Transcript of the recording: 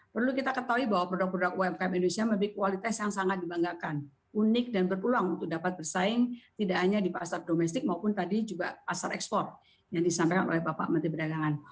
perlu kita ketahui bahwa produk produk umkm indonesia memiliki kualitas yang sangat dibanggakan unik dan berpeluang untuk dapat bersaing tidak hanya di pasar domestik maupun tadi juga pasar ekspor yang disampaikan oleh bapak menteri perdagangan